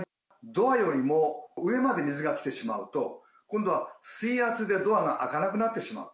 ドアよりも上まで水が来てしまうと今度は水圧でドアが開かなくなってしまう。